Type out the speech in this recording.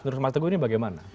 menurut mas teguh ini bagaimana